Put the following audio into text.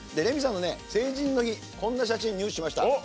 レミさんが成人の日のこんな写真入手しました。